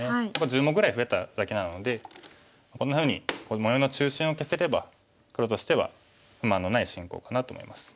１０目ぐらい増えただけなのでこんなふうに模様の中心を消せれば黒としては不満のない進行かなと思います。